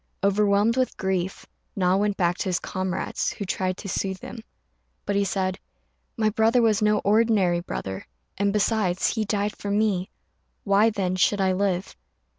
Overwhelmed with grief, Na went back to his comrades, who tried to soothe him; but he said, "My brother was no ordinary brother, and, besides, he died for me; why, then, should I live?"